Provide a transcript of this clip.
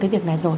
cái việc này rồi